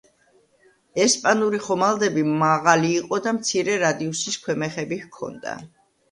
ესპანური ხომალდები მაღალი იყო და მცირე რადიუსის ქვემეხები ჰქონდა.